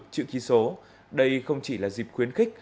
chữ ký số đây không chỉ là dịp khuyến khích